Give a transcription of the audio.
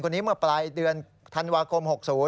เมื่อปลายเดือนธันวาคม๖๐